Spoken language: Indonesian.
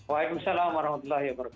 wa'alaikumsalam warahmatullah ya berkat